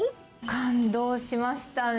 感動しましたね。